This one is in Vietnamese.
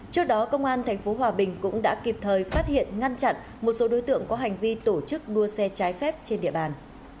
trước đó công an tp hòa bình cũng đã kịp thời phát hiện ngăn chặn một số đối tượng có hành vi tổ chức đua xe trái phép trên địa bàn